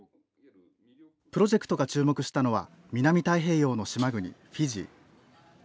プロジェクトが注目したのは南太平洋の島国フィジー。